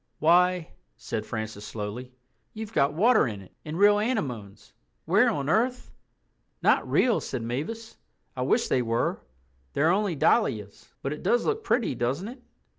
"Why," said Francis slowly, "you've got water in it—and real anemones! Where on earth...?" "Not real," said Mavis. "I wish they were; they're only dahlias. But it does look pretty, doesn't it?"